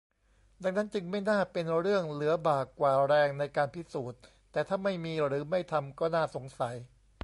ดังนั้นจึงไม่น่าเป็นเรื่องเหลือบ่ากว่าแรงในการพิสูจน์ แต่ถ้าไม่มีหรือไม่ทำ ก็น่าสงสัย